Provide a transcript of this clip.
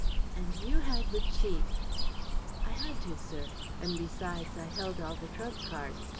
"And you had the cheek ...?" "I had to, sir; and besides I held all the trump cards.